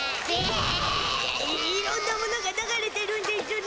いろんなものが流れてるんでしゅね